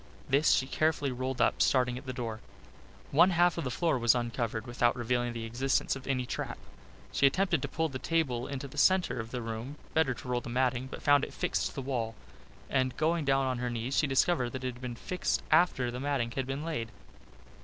This she carefully rolled up, starting at the door. One half of the floor was uncovered without revealing the existence of any trap. She attempted to pull the table into the centre of the room, better to roll the matting, but found it fixed to the wall, and going down on her knees, she discovered that it had been fixed after the matting had been laid.